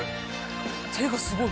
手がすごい。